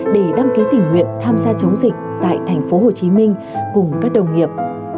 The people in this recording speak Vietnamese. để đăng ký tình nguyện tham gia chống dịch tại tp hcm cùng các đồng nghiệp